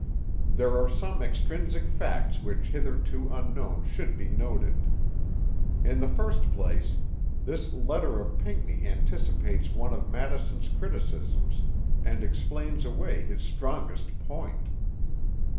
There are some extrinsic facts which hitherto unknown should be noted. In the first place this letter of Pinckney anticipates one of Madison's criticisms and explains away his strongest point.